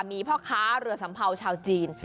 มีพ่อค้าเรือสัมเภาชาวจีน